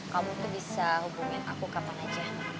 kamu tuh bisa hubungin aku kapan aja